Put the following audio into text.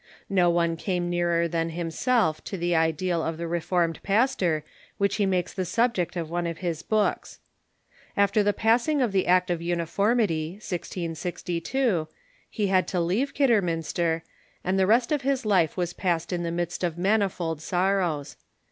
No one came nearer than himself to the ideal of the Re formed Pastor which he makes the subject of one of his books. After the passing of the Act of Uniformity (1662), he had to leave Kidderminster, and the rest of his life was passed in the midst of manifold sorrows.